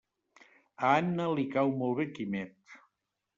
A Anna li cau molt bé Quimet.